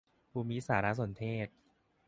ภูมิสารสนเทศ